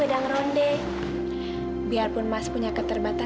seorangnya bagian dari alasan yang hebat